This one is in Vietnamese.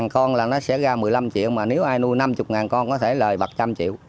một con là nó sẽ ra một mươi năm triệu mà nếu ai nuôi năm mươi con có thể lời một trăm linh triệu